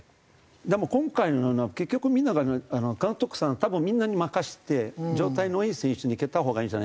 でも今回のような結局みんなが監督さん多分みんなに任せて状態のいい選手に蹴った方がいいんじゃないかなと。